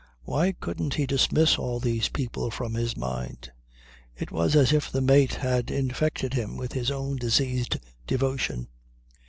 Why couldn't he dismiss all these people from his mind? It was as if the mate had infected him with his own diseased devotion.